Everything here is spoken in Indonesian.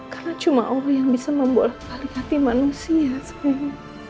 karena cuma allah yang bisa membolehkali hati manusia sam